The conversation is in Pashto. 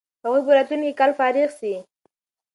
هغوی به راتلونکی کال فارغ سي.